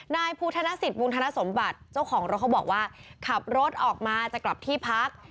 นายภูธนสิทธิวงธนสมบัติเจ้าของรถเขาบอกว่าขับรถออกมาจะกลับที่พัก